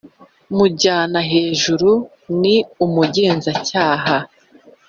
Kujyana hejuru ni umugenzacyaha